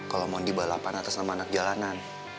kalau mondi balapan atas nama anak jalanan